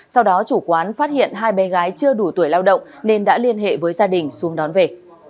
sau đó chủ quán phát hiện hai bé gái chưa đủ tuổi lao động nên đã liên hệ với gia đình xuống đón về